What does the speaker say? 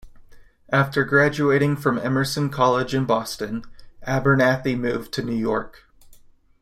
After graduating from Emerson College in Boston, Abernathy moved to New York.